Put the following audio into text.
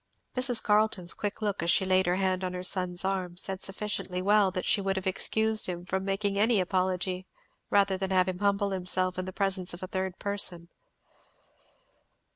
Mrs. Carleton's quick look, as she laid her hand on her son's arm, said sufficiently well that she would have excused him from making any apology rather than have him humble himself in the presence of a third person.